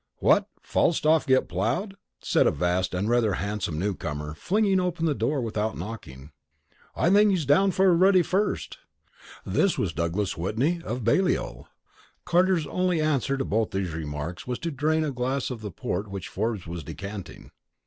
"What, Falstaff get ploughed?" said a vast and rather handsome newcomer, flinging open the door without knocking. "I think he's down for a ruddy First!" This was Douglas Whitney, of Balliol. Carter's only answer to both these remarks was to drain a glass of the port which Forbes was decanting.